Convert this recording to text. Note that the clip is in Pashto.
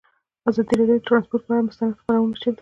ازادي راډیو د ترانسپورټ پر اړه مستند خپرونه چمتو کړې.